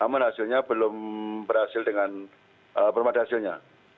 namun hasilnya belum berhasil dengan belum ada hasilnya